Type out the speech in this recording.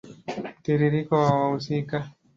Mtiririko wa wahusika